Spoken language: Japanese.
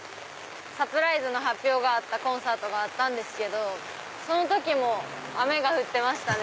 サプライズの発表があったコンサートがあったんですけどその時も雨が降ってましたね。